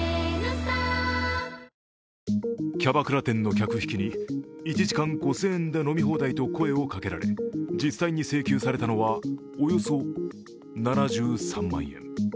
キャバクラ店の客引きに１時間５０００円で飲み放題と声をかけられ実際に請求されたのはおよそ７３万円。